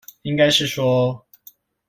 應該是說